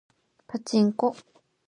パチンコ